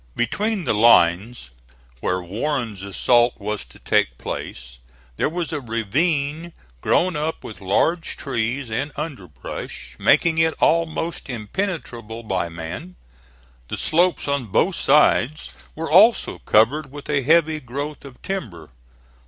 Between the lines, where Warren's assault was to take place, there was a ravine grown up with large trees and underbrush, making it almost impenetrable by man. The slopes on both sides were also covered with a heavy growth of timber.